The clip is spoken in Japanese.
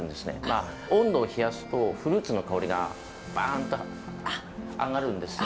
温度を冷やすとフルーツの香りがバンと上がるんですよ。